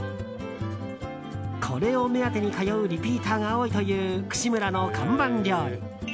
これを目当てに通うリピーターが多いという串むらの看板料理。